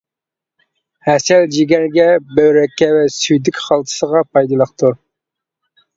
ھەسەل جىگەرگە، بۆرەككە ۋە سۈيدۈك خالتىسىغا پايدىلىقتۇر.